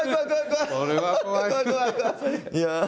いや。